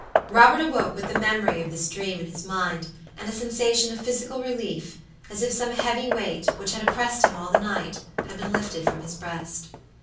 Robert awoke with the memory of this dream in his mind, and a sensation of physical relief, as if some heavy weight, which had oppressed him all the night, had been lifted from his breast.